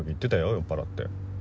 酔っぱらって。